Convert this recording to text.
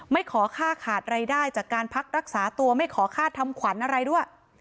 ไม่ขอค่าขาดรายได้จากการพักรักษาตัวไม่ขอค่าทำขวัญอะไรด้วย